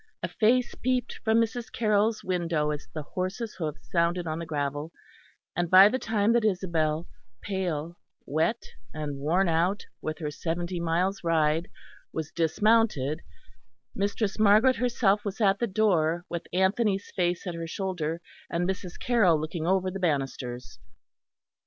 A face peeped from Mrs. Carroll's window as the horse's hoofs sounded on the gravel, and by the time that Isabel, pale, wet, and worn out with her seventy miles' ride, was dismounted, Mistress Margaret herself was at the door, with Anthony's face at her shoulder, and Mrs. Carroll looking over the banisters.